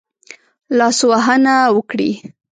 لاسوهنه وکړي.